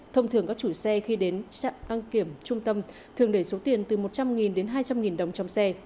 thông thường các chủ xe khi đến trạm đăng kiểm trung tâm thường để số tiền từ một trăm linh đến hai trăm linh đồng trong xe